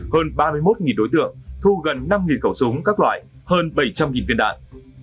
hơn ba mươi một đối tượng thu gần năm khẩu súng các loại hơn bảy trăm linh viên đạn